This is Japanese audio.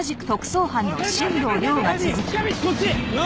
近道こっち！